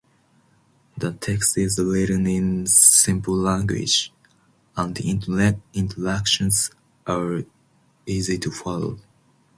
The text is written in simple language, and the instructions are easy to follow.